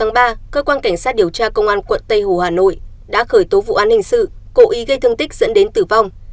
ngày ba cơ quan cảnh sát điều tra công an quận tây hồ hà nội đã khởi tố vụ án hình sự cố ý gây thương tích dẫn đến tử vong